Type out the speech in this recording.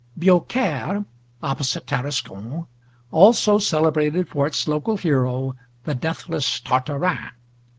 BIAUCAIRE, opposite Tarascon, also celebrated for its local hero, the deathless Tartarin.